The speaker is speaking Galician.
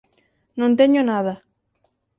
Non teño nada.